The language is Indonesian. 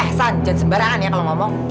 eh sanjat sembarangan ya kalau ngomong